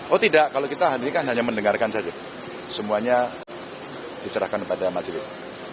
oh tidak kalau kita hadirkan hanya mendengarkan saja semuanya diserahkan kepada majelis